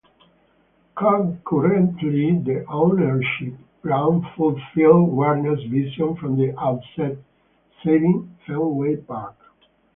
Concurrently, the ownership group fulfilled Werner's vision from the outset: saving Fenway Park.